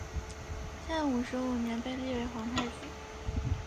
建武十五年被立为皇太子。